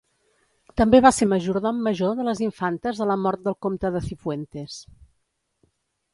També va ser majordom major de les infantes a la mort del comte de Cifuentes.